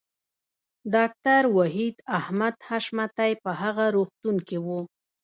ډاکټر وحید احمد حشمتی په هغه روغتون کې و